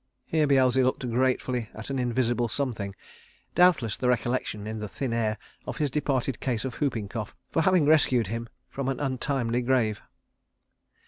Here Beelzy looked gratefully at an invisible something doubtless the recollection in the thin air of his departed case of whooping cough, for having rescued him from an untimely grave.